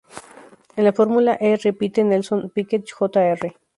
En la Fórmula E repite Nelson Piquet, jr.